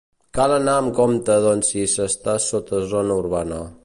Cal anar amb compte doncs si s'està sota zona urbana.